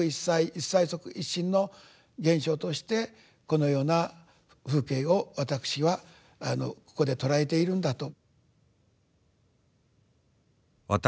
「一切即一身」の現象としてこのような風景をわたくしはここで捉えているんだと。